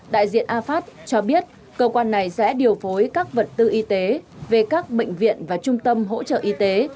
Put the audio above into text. đại diện afast cho biết cơ quan này sẽ điều phối các vật tư y tế về các bệnh viện và trung tâm hỗ trợ y tế